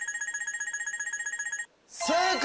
正解！